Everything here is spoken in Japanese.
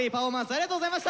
ありがとうございます。